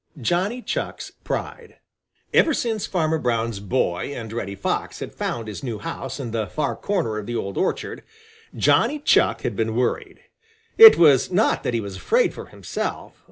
JOHNNY CHUCK'S PRIDE Ever since Farmer Brown's boy and Reddy Fox had found his new house in the far corner of the old orchard, Johnny Chuck had been worried. It was not that he was afraid for himself.